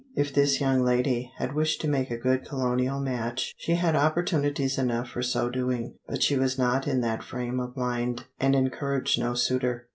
If this young lady had wished to make a good colonial match, she had opportunities enough for so doing, but she was not in that frame of mind, and encouraged no suitor.